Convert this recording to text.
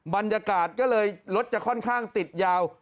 บรรยากาศก็เลยรถจะค่อนข้างติดยาว